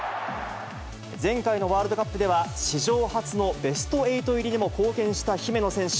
前回のワールドカップでは、史上初のベスト８入りにも貢献した姫野選手。